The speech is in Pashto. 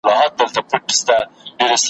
ويل كشكي ته پيدا نه واى له موره `